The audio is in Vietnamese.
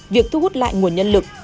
việc thu hút lại nguồn nhân lực